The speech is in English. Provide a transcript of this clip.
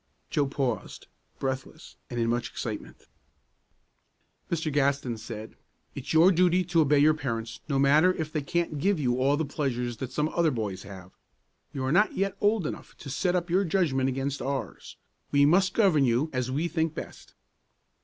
Joe paused, breathless and in much excitement. Mr. Gaston said, "It's your duty to obey your parents, no matter if they can't give you all the pleasures that some other boys have. You are not yet old enough to set up your judgment against ours. We must govern you as we think best."